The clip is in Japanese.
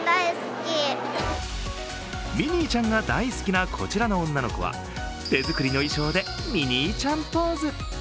ミニーちゃんが大好きなこちらの女の子は手作りの衣装でミニーちゃんポーズ。